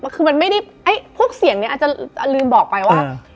คือมันไม่ได้พวกเสียงนี้อาจจะลืมบอกไปว่า